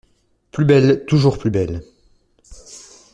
Plus belle, toujours plus belle!